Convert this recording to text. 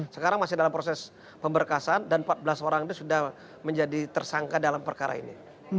sekarang masih dalam proses pemberkasan dan empat belas orang itu sudah menjadi tersangka dalam perkara ini